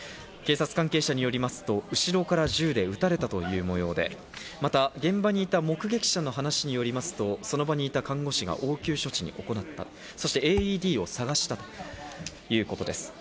警察関係者によりますと、後ろから銃で撃たれた模様で目撃者の話によりますと、その場にいた看護師が応急処置を行っていて、ＡＥＤを探していたということです。